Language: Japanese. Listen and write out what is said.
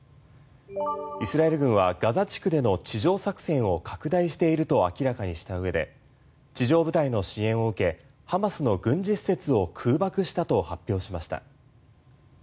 イスラエル軍はガザ地区での地上作戦を拡大していると明らかにした上で地上部隊の支援を受けハマスの軍事施設を空爆したと発表しました。